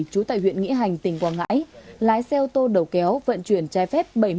trú tại huyện nghĩa hành tỉnh quảng ngãi lái xe ô tô đầu kéo vận chuyển trái phép